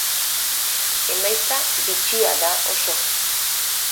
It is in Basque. Emaitza bitxia da oso.